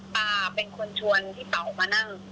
ป้าเป็นคนชวนพี่เป๋ามานั่ง